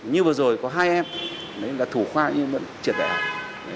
như vừa rồi có hai em đấy là thủ khoa nhưng vẫn triển đại học